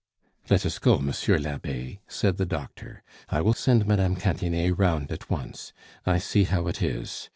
"Let us go, Monsieur l'Abbe," said the doctor. "I will send Mme. Cantinet round at once. I see how it is.